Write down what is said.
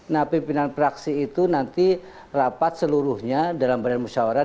nah pimpinan praksi itu nanti rapat seluruhnya dalam badan musyawarah